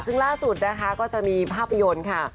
ซึ่งล่าสุดนะคะก็จะมีภาพยนตร์ค่ะ